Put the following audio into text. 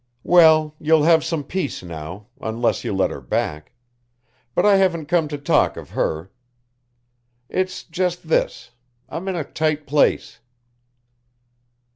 "Well, you'll have some peace now, unless you let her back but I haven't come to talk of her. It's just this, I'm in a tight place."